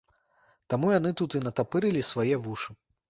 Таму яны тут і натапырылі свае вушы.